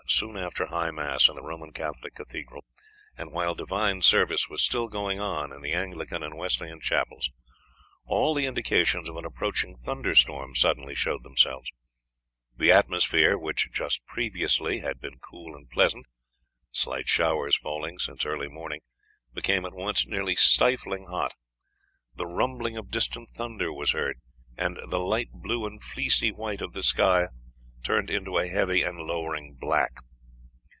soon after high mass in the Roman Catholic cathedral, and while divine service was still going on in the Anglican and Wesleyan chapels, all the indications of an approaching thunder storm suddenly showed themselves; the atmosphere, which just previously had been cool and pleasant slight showers falling since early morning became at once nearly stifling hot; the rumbling of distant thunder was heard, and the light blue and fleecy white of the sky turned into a heavy and lowering black.